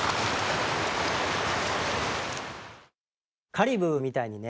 カリブーみたいにね